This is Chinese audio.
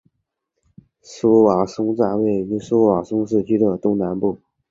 苏瓦松站位于苏瓦松市区的东南部。